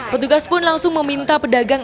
petugas pun langsung meminta pedagang